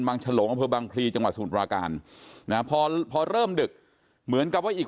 บังชะโหลบางคลีจังหวัดสมุทรประการพอเริ่มดึกเหมือนกับว่าอีก